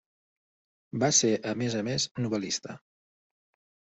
Va ser a més a més novel·lista.